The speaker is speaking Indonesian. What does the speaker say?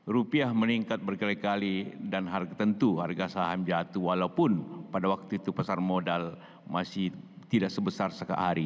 rupiah meningkat berkele kele dan harga tentu harga saham jatuh walaupun pada waktu itu pasar modal masih tidak sebesar sekehari ini